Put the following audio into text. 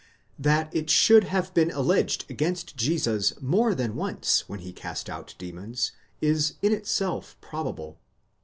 That it should have been alleged against Jesus more than once when he cast out demons, is in itself probable.